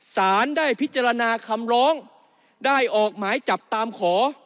สารได้พิจารณาคำร้องได้ออกหมายจับตามขอ